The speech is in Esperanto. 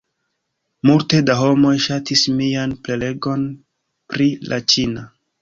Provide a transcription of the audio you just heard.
Multe da homoj ŝatis mian prelegon pri la ĉina